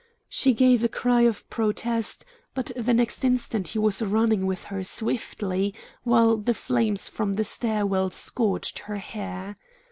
She gave a cry of protest, but the next instant he was running with her swiftly while the flames from the stair well scorched her hair.